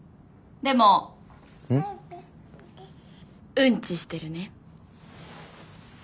うんちしてるね。